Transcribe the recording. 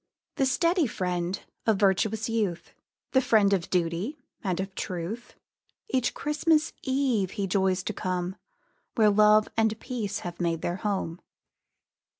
The steady friend of virtuous youth, The friend of duty, and of truth, Each Christmas eve he joys to come Where love and peace have made their home.